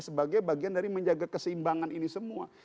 sebagai bagian dari menjaga keseimbangan ini semua